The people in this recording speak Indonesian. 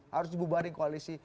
harus bubarin koalisi